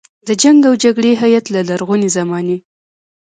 د جنګ او جګړې هیت له لرغونې زمانې.